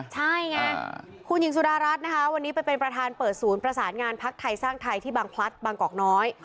ใช่ไงคุณหญิงสุดารัฐนะคะวันนี้ไปเป็นประธานเปิดศูนย์ประสานงานพักไทยสร้างไทยที่บางพลัดบางกอกน้อย